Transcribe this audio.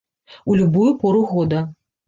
У любую пору года.